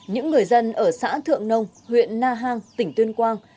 những người dân ở xã thượng nông huyện na hàng tỉnh tuyên quang